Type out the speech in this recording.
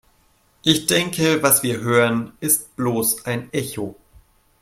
Ich denke, was wir hören, ist bloß ein Echo.